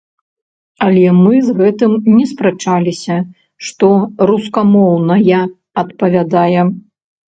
Але мы з гэтым не спрачаліся, што рускамоўная адпавядае.